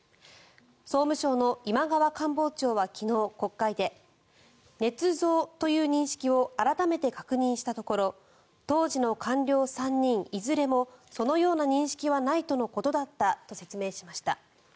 総務省の今川官房長は昨日、国会でねつ造という認識を改めて確認したところ当時の官僚３人いずれもそのような認識はないとのことだったと説明しました。